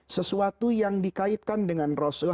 sesuatu yang dikaitkan dengan rasulullah